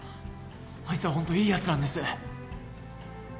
あいつはホントいいやつなんです。